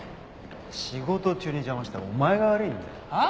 仕事中に邪魔したお前が悪いんだよ。は？